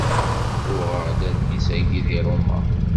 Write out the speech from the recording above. Uɣeɣ-d adlis-agi di Ṛuma.